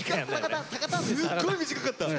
すっごい短かった。